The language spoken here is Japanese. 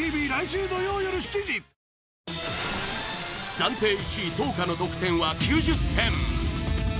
暫定１位灯花の得点は９０点